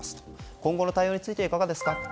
今後の対応についてはいかがですかと。